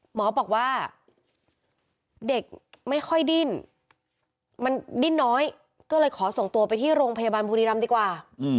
หมอบอกว่าเด็กไม่ค่อยดิ้นมันดิ้นน้อยก็เลยขอส่งตัวไปที่โรงพยาบาลบุรีรำดีกว่า